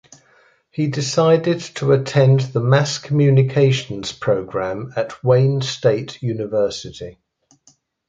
He decided to attend the Mass communications program at Wayne State University.